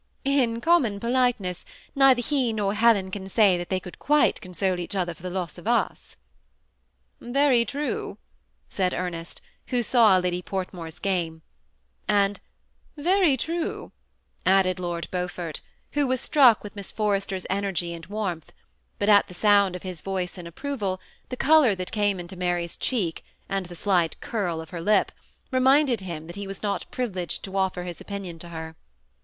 ''In common politeness, neither he nor Helen can say that they could quite console each other for the loss of us." "Very true," said Ernest, who saw Lady Portmore's game; and "Very true," added Lord Beaufort, who was struck with Miss Forrester's energy and warmth ; but at the sound of his voice in approval, the color that came into Mary's cheek, and the slight curl of her lip, reminded him that he was not privileged to offer his opinion to her.